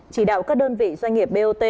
chỉ đạo các đơn vị doanh nghiệp bot